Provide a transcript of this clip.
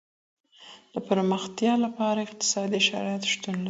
د پرمختیا لپاره اقتصادي شرایط شتون لري.